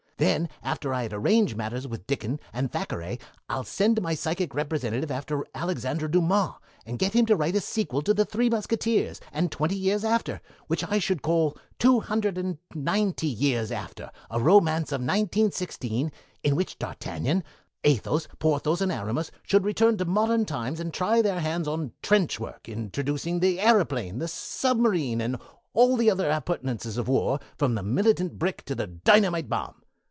Then after I had arranged matters with Dickens and Thackeray, I'd send my psychic representative after Alexander Dumas, and get him to write a sequel to 'The Three Musketeers', and 'Twenty Years After', which I should call 'Two Hundred and Ninety Years After, a Romance of 1916', in which D'Artagnan, Athos, Porthos, and Aramis should return to modern times and try their hands on trench work, introducing the aëroplane, the submarine, and all the other appurtenances of war, from the militant brick to the dynamite bomb.